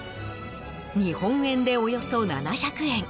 日本円で、およそ７００円。